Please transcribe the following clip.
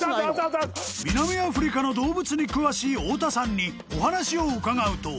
［南アフリカの動物に詳しい太田さんにお話を伺うと］